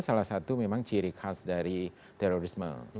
salah satu memang ciri khas dari terorisme